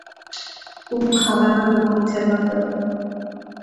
او خبر را به ما اطلاع داد.